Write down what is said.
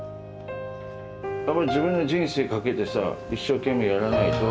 やっぱり自分の人生かけてさ一生懸命やらないと。